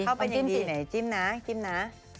เข้ากันเป็นอย่างดีไหนจิ้มนะจิ้มนะ